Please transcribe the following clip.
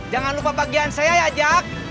jangan lupa bagian saya ya jack